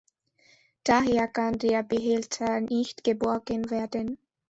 Daher kann der Behälter nicht geborgen werden.